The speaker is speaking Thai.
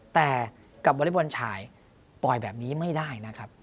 แต่กับวอเล็กบอลชายปล่อยแบบนี้ไม่ได้นะครับ